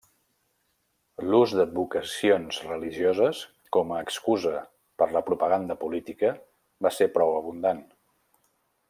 L'ús d'advocacions religioses com a excusa per la propaganda política va ser prou abundant.